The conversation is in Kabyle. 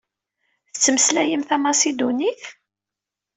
Tettmeslayem tamasidunit?